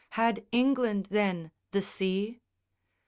Had England, then, the sea?